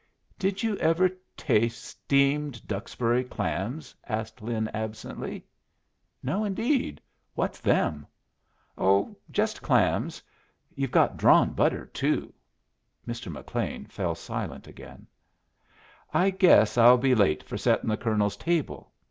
"Did you ever taste steamed Duxbury clams?" asked Lin, absently. "No, indeed. What's them?" "Oh, just clams. Yu' have drawn butter, too." Mr. McLean fell silent again. "I guess I'll be late for settin' the colonel's table.